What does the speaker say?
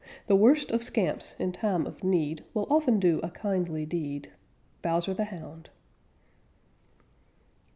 The worst of scamps in time of need Will often do a kindly deed. _Bowser the Hound.